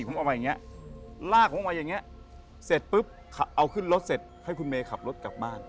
มาอย่างเนี้ยเสร็จปุ๊บเอาขึ้นรถเสร็จให้คุณเมย์ขับรถกลับบ้าน